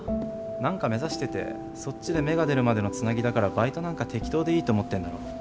何か目指しててそっちで芽が出るまでのつなぎだからバイトなんか適当でいいと思ってるんだろ。